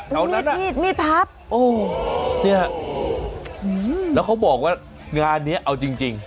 เอานั่นมีดมีดพับโอ้เนี่ยแล้วเขาบอกว่างานเนี้ยเอาจริงจริง